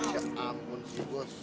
ya ampun si bos